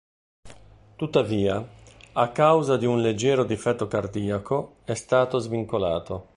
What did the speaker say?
Tuttavia, a causa di un leggero difetto cardiaco, è stato svincolato.